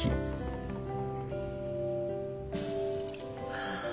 はあ